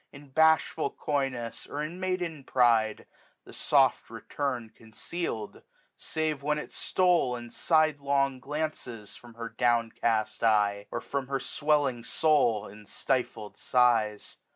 In bashful coyness, or in maiden pride, The soft return conceal'd ; save when it stole In side long glances from her downcast eye. Or from her swelling soul in stifled sighs.